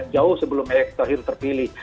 jauh sebelum erick thohir terpilih